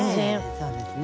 そうですね。